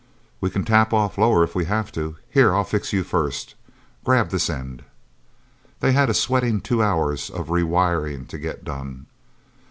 "We can tap off lower, if we have to... Here I'll fix you, first... Grab this end..." They had a sweating two hours of rewiring to get done.